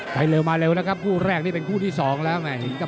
ไปเร็วมาเร็วนะครับคู่แรกนี่เป็นคู่ที่สองแล้วแม่เห็นครับ